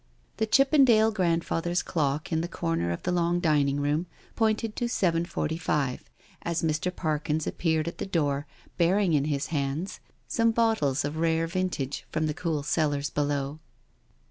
The Chippendale grandfather's clock in the comer of the long dining room pointed to 7.45 as Mr. Parkins appeared at the door, bearing in his hands some bottles of rare vintage from the cool cellars below.